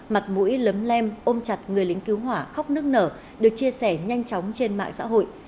mặt mũi lấm lem ôm chặt người lính cứu hỏa khóc nước nở được chia sẻ nhanh chóng trên mạng xã hội